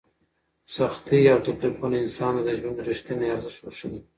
سختۍ او تکلیفونه انسان ته د ژوند رښتینی ارزښت وښيي.